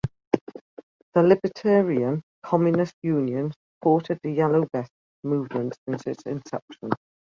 The Libertarian Communist Union supported the Yellow vests movement since its inception.